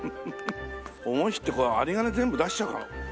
思い切って有り金全部出しちゃおうかな。